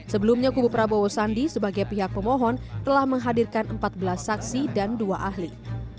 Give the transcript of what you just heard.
sebelumnya kubu prabowo sandi sebagai pihak pemohon telah menghadirkan empat belas saksi dan dua ahli